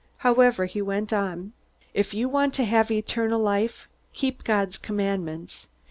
However, he went on: "If you want to have eternal life, keep God's commandments.